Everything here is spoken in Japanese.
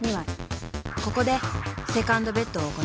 ［ここでセカンドベットを行い］